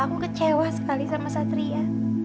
aku kecewa sekali sama satria